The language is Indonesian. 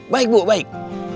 baik bu baik